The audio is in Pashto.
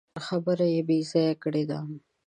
خبره يې بې ځايه کړې ده.